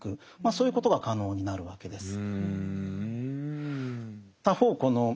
そういうことが可能になるわけです。